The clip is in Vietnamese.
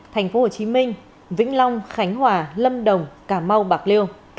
thành phố hồ chí minh vĩnh long khánh hòa lâm đồng cà mau bạc liêu